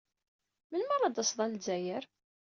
Melmi ara d-tased ɣer Lezzayer?